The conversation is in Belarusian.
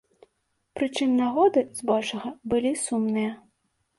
Прычым нагоды, збольшага, былі сумныя.